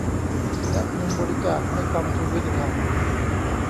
และเงินบริจาคให้กองทุนยุติธรรม